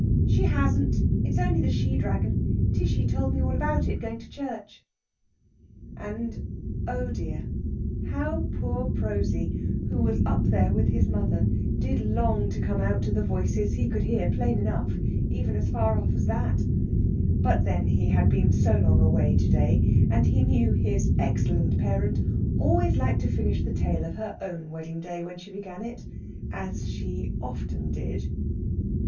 "She hasn't; it's only the she dragon. Tishy told me all about it going to church." And, oh dear, how poor Prosy, who was up there with his mother, did long to come out to the voices he could hear plain enough, even as far off as that! But then he had been so long away to day, and he knew his excellent parent always liked to finish the tale of her own wedding day when she began it as she often did.